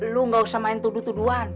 lu gak usah main tuduh tuduhan